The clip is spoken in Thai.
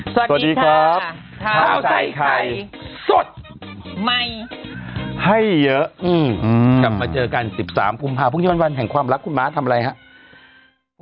สวัสดีครับข้าวใส่ไข่สดใหม่ให้เยอะกลับมาเจอกัน๑๓กุมภาพพรุ่งนี้วันแห่งความรักคุณม้าทำอะไรครับ